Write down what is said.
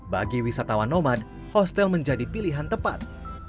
bagi wisatawan nomad hostel menjadi pilihan tepat